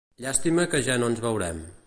Llàstima que ja no ens veurem